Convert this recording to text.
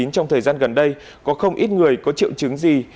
trong thời gian gần đây có không ít người có triệu chứng gì